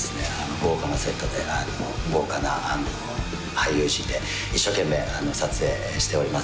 豪華なセットで豪華な俳優陣で一生懸命撮影しております